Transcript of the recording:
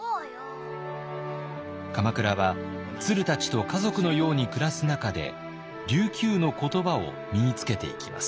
鎌倉はツルたちと家族のように暮らす中で琉球の言葉を身につけていきます。